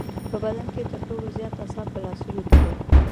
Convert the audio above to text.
په بدن کې تر ټولو زیات اعصاب په لاسونو کې دي.